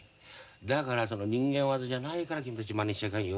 だからその人間業じゃないから君たちまねしちゃいかんよ。